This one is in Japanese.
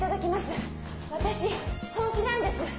私本気なんです。